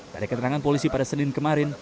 dari keterangan polisi pada senin kemarin